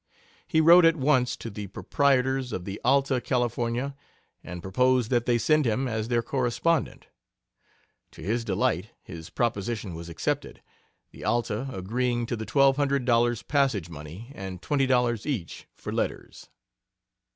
He wrote at once to the proprietors of the Alta California and proposed that they send him as their correspondent. To his delight his proposition was accepted, the Alta agreeing to the twelve hundred dollars passage money, and twenty dollars each for letters.